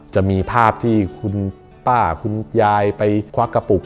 จะมีภาพที่คุณป้าคุณยายไปควักกระปุก